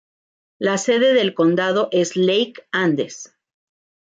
La sede del condado es Lake Andes.